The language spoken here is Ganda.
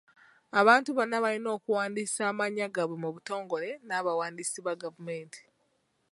Abantu bonna balina okuwandiisa amannya gaabwe mu butongole n'abawandiisi ba gavumenti.